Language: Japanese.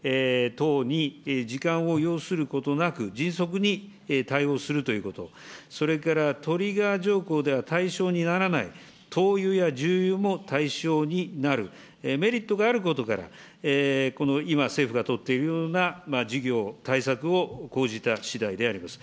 燃料油のこの激変緩和事業は、原油価格の変動に柔軟に対応できること、要はここの法改正等に時間を要することなく、迅速に対応するということ、それからトリガー条項では対象にならない灯油や重油も対象になるメリットがあることから、この今、政府が取っているような事業対策を講じたしだいであります。